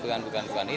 ya bukan bukan bukan